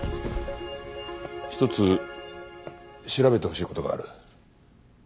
一つ調べてほしい事がある。